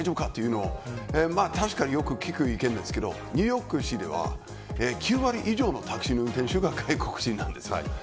これは確かによく聞く意見ですがニューヨーク市では９割以上のタクシー運転手が外国人なんです。